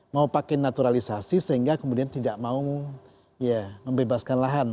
mau pakai naturalisasi sehingga kemudian tidak mau ya membebaskan lahan